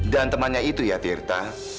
dan temannya itu ya tirta